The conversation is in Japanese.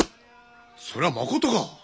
それはまことか。